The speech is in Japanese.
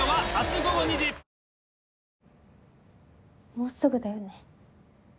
もうすぐだよね。